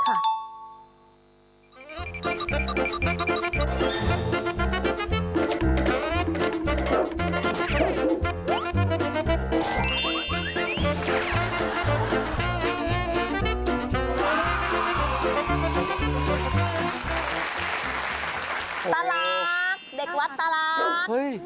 ตารักเด็กวัดตารัก